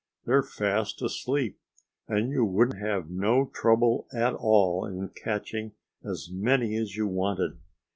They're fast asleep. And you would have no trouble at all in catching as many as you wanted.